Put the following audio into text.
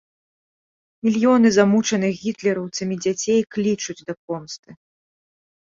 Мільёны замучаных гітлераўцамі дзяцей клічуць да помсты.